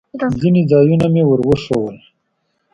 ځینې ځایونه مې ور وښوول.